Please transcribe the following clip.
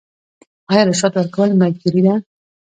آیا رشوت ورکول مجبوري ده؟